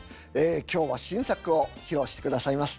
今日は新作を披露して下さいます。